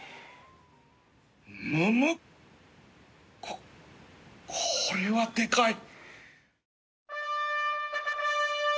ここれはでかい！